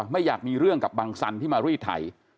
ไม่อยากมีเรื่องกับบังสันที่มารีดไถ